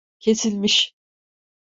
Kesilmiş…